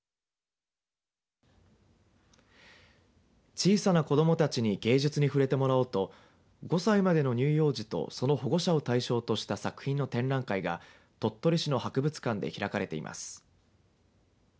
小さな子どもたちに芸術に触れてもらおうと５歳までの乳幼児とその保護者を対象とした作品の展覧会が鳥取市の博物館で開かれています。